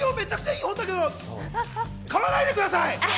読まないでください。